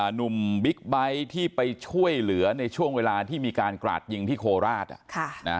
บิ๊กไบท์ที่ไปช่วยเหลือในช่วงเวลาที่มีการกราดยิงที่โคราช